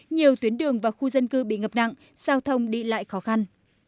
nhiều tuyến đường và khu dân cư bị ngập nặng giao thông đi lại khó khăn